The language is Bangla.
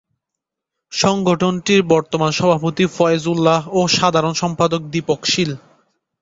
সংগঠনটির বর্তমান সভাপতি ফয়েজ উল্লাহ ও সাধারণ সম্পাদক দীপক শীল।